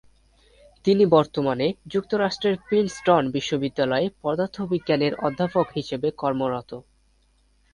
তিনি বর্তমানে যুক্তরাষ্ট্রের প্রিন্সটন বিশ্ববিদ্যালয়ে পদার্থবিজ্ঞানের অধ্যাপক হিসেবে কর্মরত।